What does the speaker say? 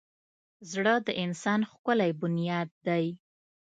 زړه د انسان ښکلی بنیاد دی.